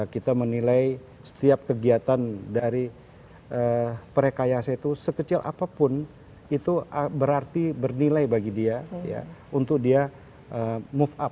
kita menilai setiap kegiatan dari prekayasa itu sekecil apapun itu berarti bernilai bagi dia untuk dia move up